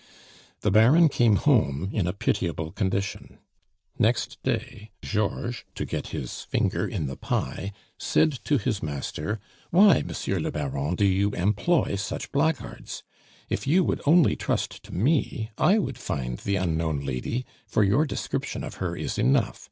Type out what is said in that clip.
The Baron came home in a pitiable condition. Next day Georges, to get his finger in the pie, said to his master: "'Why, Monsieur le Baron, do you employ such blackguards? If you would only trust to me, I would find the unknown lady, for your description of her is enough.